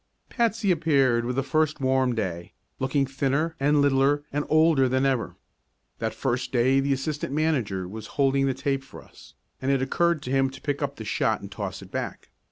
Patsy appeared with the first warm day, looking thinner and littler and older than ever. That first day the assistant manager was holding the tape for us, and it occurred to him to pick up the shot and toss it back.